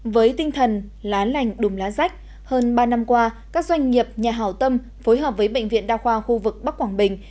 với tinh thần lá lành đùm lá rách hơn ba năm qua các doanh nghiệp nhà hảo tâm phối hợp với bệnh viện đa khoa khu vực bắc quảng bình